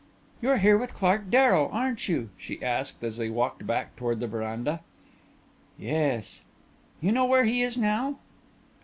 "You're here with Clark Darrow, aren't you?" she asked as they walked back toward the veranda. "Yes." "You know where he is now?"